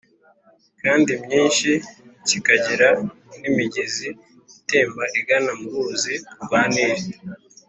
kandi myinshi, kikagira n'imigezi itemba igana mu ruzi rwa nili